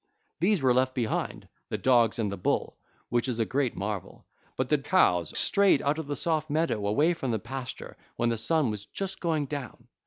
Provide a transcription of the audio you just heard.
These were left behind, the dogs and the bull—which is great marvel; but the cows strayed out of the soft meadow, away from the pasture when the sun was just going down.